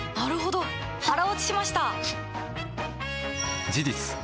腹落ちしました！